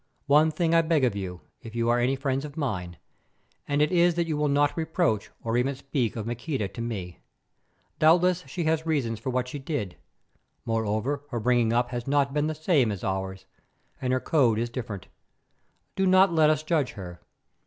One thing I beg of you, if you are any friends of mine, and it is that you will not reproach or even speak of Maqueda to me. Doubtless she had reasons for what she did; moreover, her bringing up has not been the same as ours, and her code is different. Do not let us judge her.